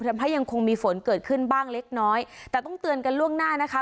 ยังคงมีฝนเกิดขึ้นบ้างเล็กน้อยแต่ต้องเตือนกันล่วงหน้านะคะ